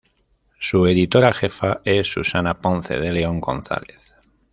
Su editora jefa es Susana Ponce de León González.